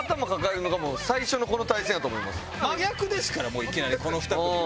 真逆ですからいきなりこの２組が。